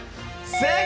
正解！